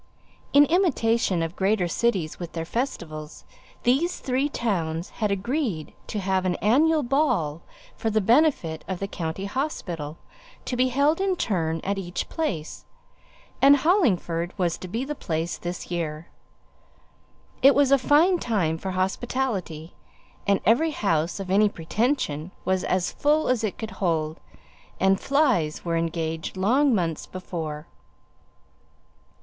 In imitation of greater cities with their festivals, these three towns had agreed to have an annual ball for the benefit of the county hospital to be held in turn at each place; and Hollingford was to be the place this year. It was a fine time for hospitality, and every house of any pretension was as full as it could hold, and flys were engaged long months before.